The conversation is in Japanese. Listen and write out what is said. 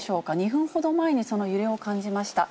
２分ほど前にその揺れを感じました。